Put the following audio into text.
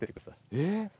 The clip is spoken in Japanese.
えっ？